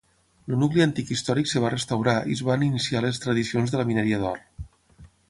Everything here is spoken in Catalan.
El nucli antic històric es va restaurar i es van iniciar les tradicions de la mineria d'or.